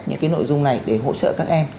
những cái nội dung này để hỗ trợ các em